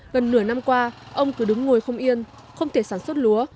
gần nửa năm qua ông cứ đứng ngồi không yên không thể sản xuất lúa